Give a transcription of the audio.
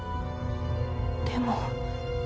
でも。